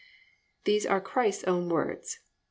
"+ These are Christ's own words.